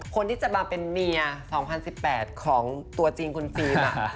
คนที่จะมาเป็นเมีย๒๐๑๘ของตัวจริงคุณฟิล์ม